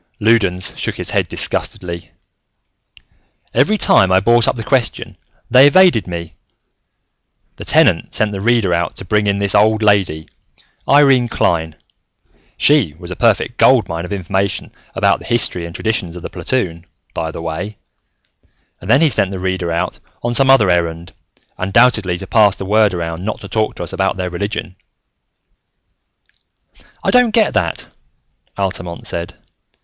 Loudons shook his head disgustedly. "Every time I brought up the question, they evaded me. The Tenant sent the Reader out to bring in this old lady, Irene Klein she was a perfect gold mine of information about the history and traditions of the platoon, by the way and then he sent the Reader out on some other errand, undoubtedly to pass the word around not to talk to us about their religion." "I don't get that," Altamont said.